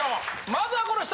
まずはこの人！